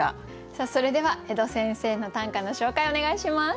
それでは江戸先生の短歌の紹介をお願いします。